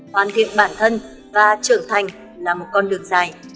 hoàn thiện bản thân và trưởng thành là một con đường dài